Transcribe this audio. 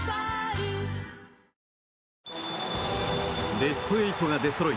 ベスト８が出そろい